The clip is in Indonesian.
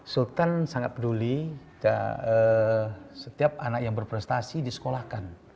sultan sangat peduli setiap anak yang berprestasi disekolahkan